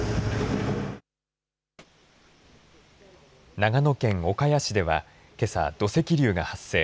長野県岡谷市ではけさ、土石流が発生。